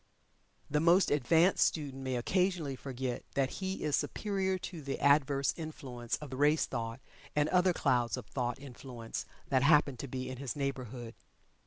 The most advanced student may occasionally forget that he is superior to the adverse influence of the race thought, and other clouds of thought influence that happen to be in his neighborhood.